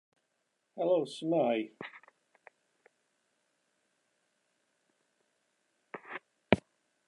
Does gan ddim un o'r offer uchod gyfleuster ar gyfer pedal cynnal.